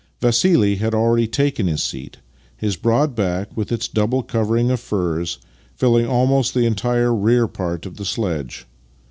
Vassili had already taken his seat, his broad back, with its double covering of furs, filling almost the entire rear part of the sledge.